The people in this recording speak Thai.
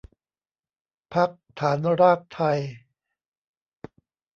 พรรคฐานรากไทย